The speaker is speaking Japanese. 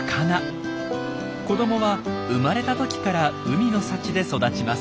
子どもは生まれた時から海の幸で育ちます。